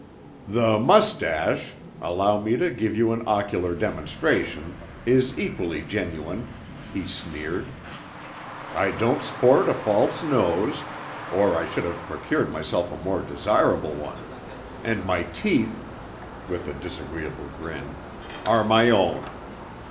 "The moustache allow me to give you an ocular demonstration is equally genuine," he sneered. "I don't sport a false nose, or I should have procured myself a more desirable one, and my teeth" with a disagreeable grin "are my own.